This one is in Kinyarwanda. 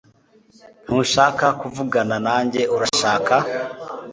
Ntushaka kuvugana nanjye urashaka